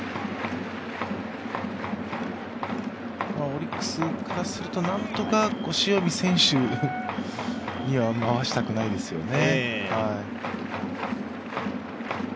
オリックスからするとなんとか塩見選手には回したくないですよね。